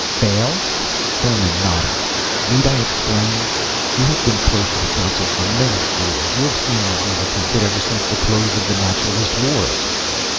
"Failed?" Thurmon nodded. "Need I explain? You have been close to the council for many years. You have seen what we've attempted, ever since the close of the Naturalist wars."